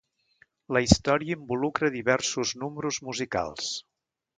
La història involucra diversos números musicals.